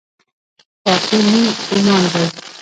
پاکي نیم ایمان دی